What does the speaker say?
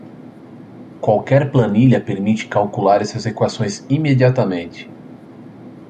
Qualquer planilha permite calcular essas equações imediatamente.